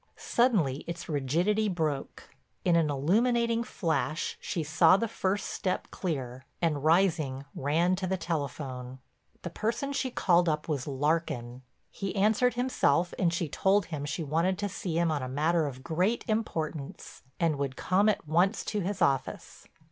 Suddenly its rigidity broke; in an illuminating flash she saw the first step clear, and rising ran to the telephone. The person she called up was Larkin. He answered himself and she told him she wanted to see him on a matter of great importance and would come at once to his office.